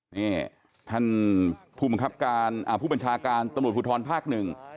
นี่ท่านผู้บัญชาการตำรวจภูทรภาคหนึ่ง